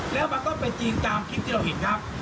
แล้วมันก็เป็นจริงตามคลิปที่เราเห็นครับ